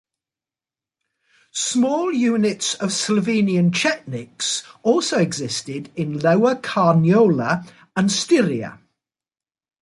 Small units of Slovenian Chetniks also existed in Lower Carniola and Styria.